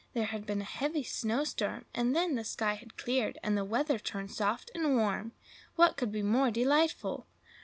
There had been a heavy snowstorm, and then the sky had cleared and the weather turned soft and warm. What could be more delightful?